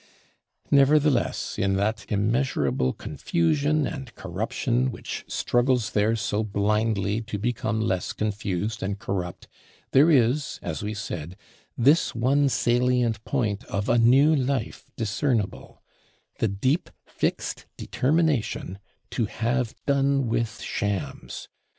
Nevertheless, in that immeasurable Confusion and Corruption, which struggles there so blindly to become less confused and corrupt, there is, as we said, this one salient point of a New Life discernible the deep fixed Determination to have done with Shams.